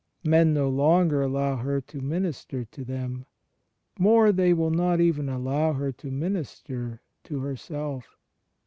Men no longer allow her to minister to them; more, they will not even allow her to minister to herself.